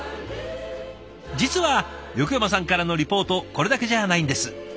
実は横山さんからのリポートこれだけじゃないんです。